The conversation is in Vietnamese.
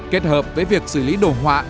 kết hợp với việc xử lý đồ họa